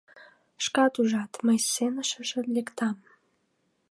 — Шкат ужат: мый сеҥышыш лектынам.